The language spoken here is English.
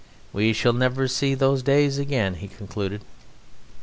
We shall never see those days again," he concluded.